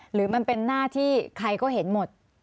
หรือมันเป็นหน้าที่ใครก็เห็นหมด